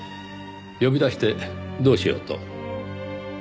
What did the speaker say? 呼び出してどうしようと？